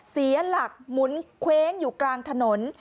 เสียหลักหมุนเคว้งอยู่กลางถนน